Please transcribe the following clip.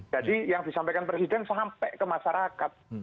jadi yang disampaikan presiden sampai ke masyarakat